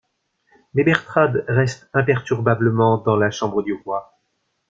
Mais Bertrade reste imperturbablement dans la chambre du roi.